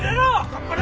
頑張れ！